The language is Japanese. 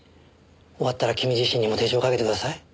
終わったら君自身にも手錠をかけてください。